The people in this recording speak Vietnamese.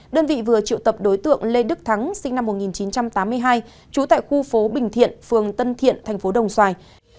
đơn vị vừa triệu tập đối tượng lê đức thắng sinh năm một nghìn chín trăm tám mươi hai trú tại khu phố bình thiện phường tân thiện tp đồng xoài